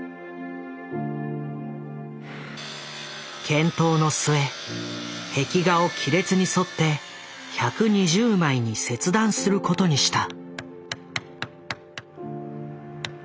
検討の末壁画を亀裂に沿って１２０枚に切断することにした。